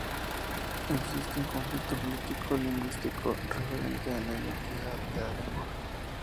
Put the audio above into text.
Existe un conflicto político-lingüístico referente a la identidad de la lengua.